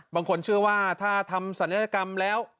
บางคนเชื่อว่าถ้าทำศัลยกรรมแล้ว